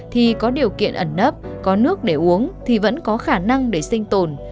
thì có điều kiện ẩn nấp có nước để uống thì vẫn có khả năng để sinh tồn